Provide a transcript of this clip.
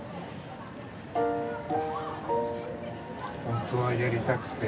本当はやりたくて？